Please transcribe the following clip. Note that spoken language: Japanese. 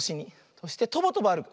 そしてとぼとぼあるく。